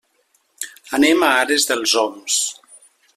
Anem a Ares dels Oms.